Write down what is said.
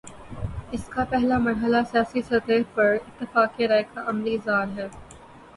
اس کا پہلا مرحلہ سیاسی سطح پر اتفاق رائے کا عملی اظہار ہے۔